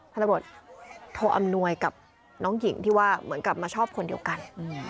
ตำรวจโทอำนวยกับน้องหญิงที่ว่าเหมือนกลับมาชอบคนเดียวกัน